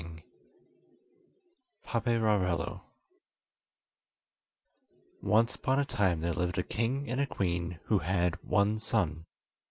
] Paperarelloo Once upon a time there lived a king and a queen who had one son.